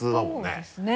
そうですね。